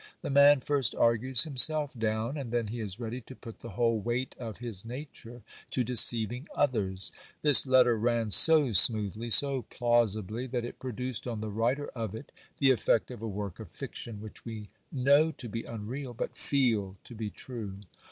The man first argues himself down, and then he is ready to put the whole weight of his nature to deceiving others. This letter ran so smoothly, so plausibly, that it produced on the writer of it the effect of a work of fiction, which we know to be unreal, but feel to be true.